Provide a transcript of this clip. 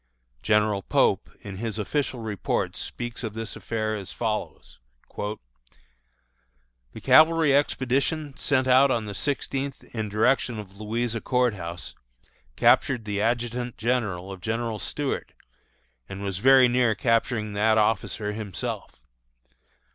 General Pope, in his official reports, speaks of this affair as follows: "The cavalry expedition sent out on the sixteenth in the direction of Louisa Court House, captured the adjutant general of General Stuart, and was very near capturing that officer himself.